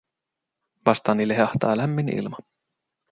Vastaani lehahtaa lämmin ilma.